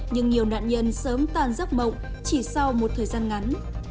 nhưng nhiều nạn nhân sớm tàn giấc mộng chỉ sau một thời gian ngắn